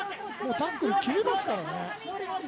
タックル、切りますからね。